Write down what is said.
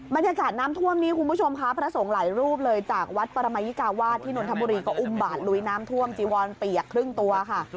บรรยากาศน้ำท่วมนี้คุณผู้ชมค่ะพระสงฆ์หลายรูปเลยจากวัดปรมายิกาวาสที่นนทบุรีก็อุ้มบาดลุยน้ำท่วมจีวอนเปียกครึ่งตัวค่ะ